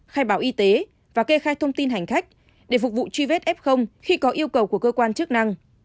khai báo y tế và kê khai thông tin hành khách để phục vụ truy vết f khi có yêu cầu của cơ quan chức năng